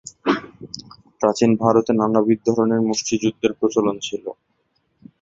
প্রাচীন ভারতে নানাবিধ ধরনের মুষ্টিযুদ্ধের প্রচলন ছিল।